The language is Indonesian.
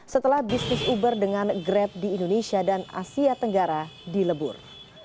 setelah bisnis uber dengan grab di indonesia dan asia tenggara dilebur